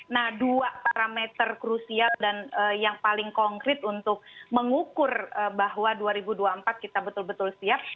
nah dua parameter krusial dan yang paling konkret untuk mengukur bahwa dua ribu dua puluh empat kita betul betul siap